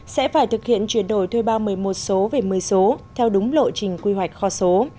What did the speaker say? sẽ phải thực hiện chuyển đổi thuê bao một mươi một số về một mươi số theo đúng lộ trình quy hoạch kho số